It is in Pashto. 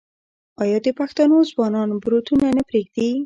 آیا د پښتنو ځوانان بروتونه نه پریږدي؟